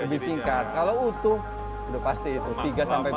lebih singkat kalau utuh udah pasti itu tiga sampai empat